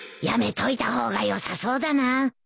やめといた方がよさそうだな